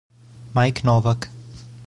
Mike Novak